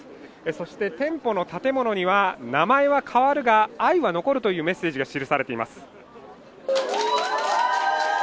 そして店舗の建物には名前は変わるが愛は残るというメッセージが記されています